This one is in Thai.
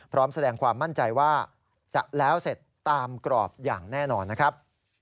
พร้อมแสดงความมั่นใจว่าจะแล้วเสร็จตามกรอบอย่างแน่นอนนะครับ